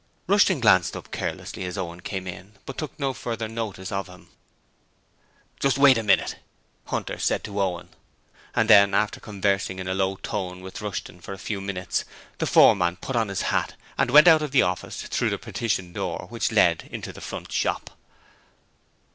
Rushton glanced up carelessly as Owen came in, but took no further notice of him. 'Just wait a minute,' Hunter said to Owen, and then, after conversing in a low tone with Rushton for a few minutes, the foreman put on his hat and went out of the office through the partition door which led into the front shop.